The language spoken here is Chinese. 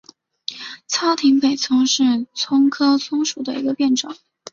糙葶北葱是葱科葱属的变种。